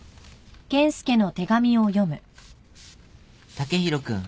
「剛洋君。